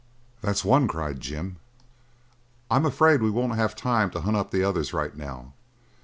"That's one!" cried Jim. "I'm afraid we won't have time to hunt up the other right now.